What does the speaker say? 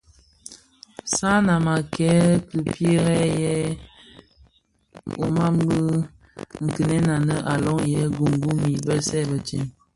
Sanan a kèn ki pierè yè ùman kinin anë le Ngom gum gum bi bësèè bëtsem.